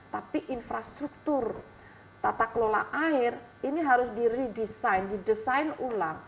tapi infrastruktur tata kelola air ini harus di redesign didesain ulang